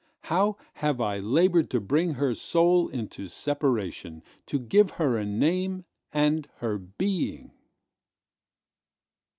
How have I labored to bring her soul into separation; To give her a name and her being!